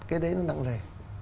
cái đấy nó nặng lề